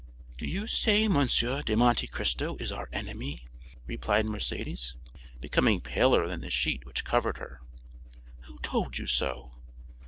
"Do you say M. de Monte Cristo is our enemy?" replied Mercédès, becoming paler than the sheet which covered her. "Who told you so?